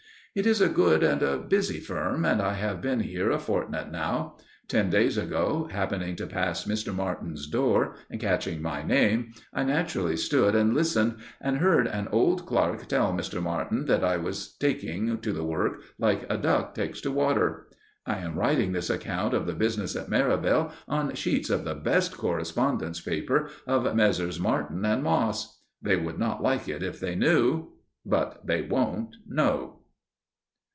It is a good and a busy firm, and I have been here a fortnight now. Ten days ago, happening to pass Mr. Martin's door, and catching my name, I naturally stood and listened and heard an old clerk tell Mr. Martin that I was taking to the work like a duck takes to water. I am writing this account of the business at Merivale on sheets of the best correspondence paper of Messrs. Martin & Moss! They would not like it if they knew. But they won't know.